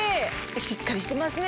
しっかりしてますね